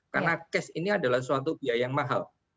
karena cash ini adalah suatu biaya yang mahal